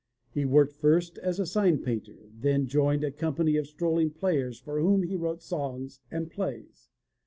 He worked first as a sign painter, then joined a company of strolling players for whom he wrote songs and plays.